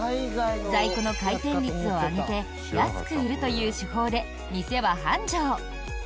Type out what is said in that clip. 在庫の回転率を上げて安く売るという手法で店は繁盛。